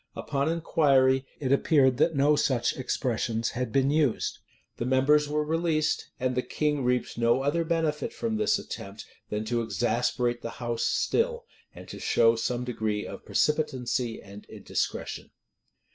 Upon inquiry, it appeared that no such expressions had been used.[] The members were released; and the king reaped no other benefit from this attempt than to exasperate the house still, and to show some degree of precipitancy and indiscretion.